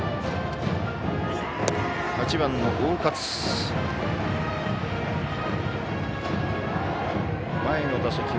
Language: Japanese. ８番の大勝。